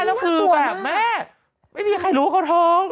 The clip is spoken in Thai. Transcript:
แล้วคือแบบแม่ไม่มีใครรู้ว่าเขาท้อง